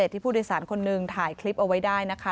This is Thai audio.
ที่ผู้โดยสารคนหนึ่งถ่ายคลิปเอาไว้ได้นะคะ